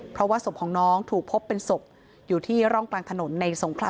เพราะว่าศพของน้องถูกพบเป็นศพอยู่ที่ร่องกลางถนนในสงขลา